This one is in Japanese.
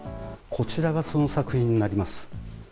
こちらが、その作品になります。